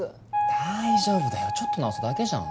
大丈夫だよちょっと直すだけじゃん。